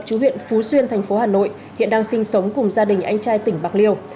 chú huyện phú xuyên thành phố hà nội hiện đang sinh sống cùng gia đình anh trai tỉnh bạc liêu